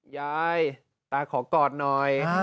ยายตาขอกอดหน่อย